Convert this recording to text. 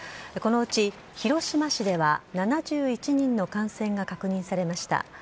このうち、広島市では７１人の感染が確認されました。